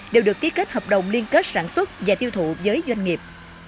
đều được ký kết hợp đồng liên kết sản xuất và tiêu thụ giới doanh nghiệp